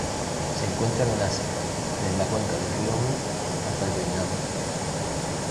Se encuentran en Asia: desde la cuenca del río Amur hasta el Vietnam